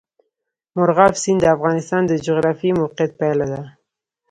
مورغاب سیند د افغانستان د جغرافیایي موقیعت پایله ده.